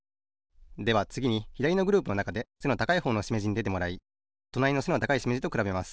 ではつぎにひだりのグループのなかで背の高いほうのしめじにでてもらいとなりの背の高いしめじとくらべます。